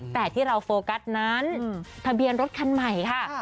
แต่ที่เราโฟกัสนั้นทะเบียนรถคันใหม่ค่ะ